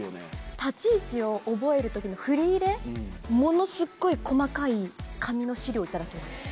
立ち位置を覚えるときの振りで、ものすごい細かい紙の資料を頂きました。